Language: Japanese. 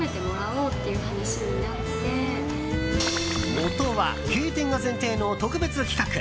もとは閉店が前提の特別企画。